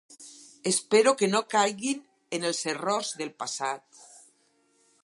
Espero que no caiguin en els errors del passat.